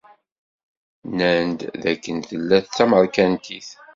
Nnan-d d akken tella d tamerkantit.